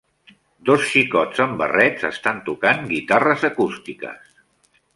Dos xicots amb barrets estan tocant guitarres acústiques.